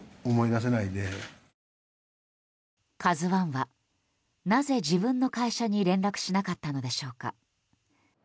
「ＫＡＺＵ１」はなぜ自分の会社に連絡しなかったのでしょうか。